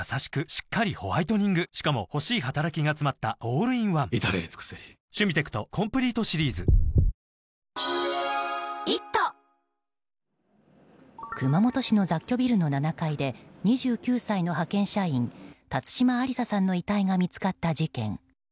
しっかりホワイトニングしかも欲しい働きがつまったオールインワン至れり尽せり熊本市の雑居ビルの７階で２９歳の派遣社員辰島ありささんの遺体が見つかった事件。